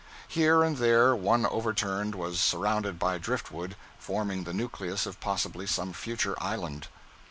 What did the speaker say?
Here and there one overturned was surrounded by drift wood, forming the nucleus of possibly some future island.